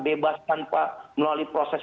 bebas tanpa melalui proses